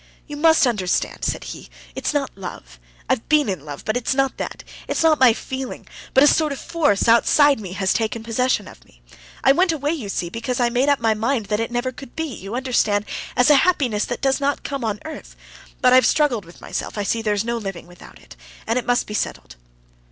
"You must understand," said he, "it's not love. I've been in love, but it's not that. It's not my feeling, but a sort of force outside me has taken possession of me. I went away, you see, because I made up my mind that it could never be, you understand, as a happiness that does not come on earth; but I've struggled with myself, I see there's no living without it. And it must be settled."